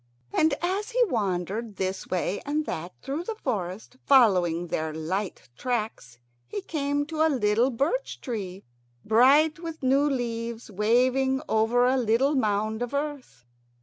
And as he wandered this way and that through the forest, following their light tracks, he came to a little birch tree, bright with new leaves, waving over a little mound of earth.